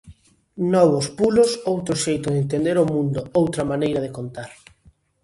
Novos pulos, outro xeito de entender o mundo, outra maneira de contar.